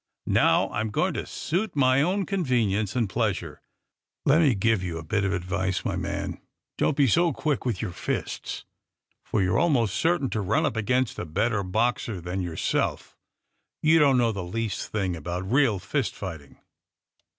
Now, I'm going to suit my own convenience and pleasure. Let me give you a bit of advice, my man. Don't be so quick with your fists, for you're almost certain to run up against a better boxer than yourself. You don't know the least thing about real fist fight ing.